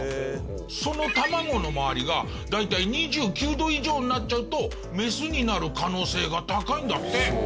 その卵の周りが大体２９度以上になっちゃうとメスになる可能性が高いんだって。